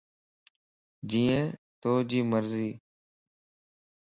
جيئي توجي مرضي